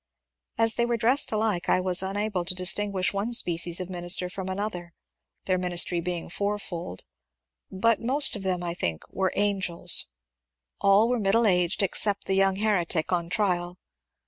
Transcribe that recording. As they were dressed alike I was unable to distinguish one species of minister from another, — their ministry being fourfold, — but most of them I think were *' Angels." All were middle aged except the young heretic on trial.